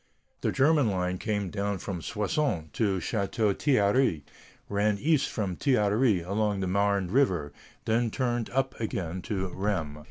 The German line came down from Soissons to Château Thierry, ran east from Château Thierry along the Marne River, then turned up again to Rheims.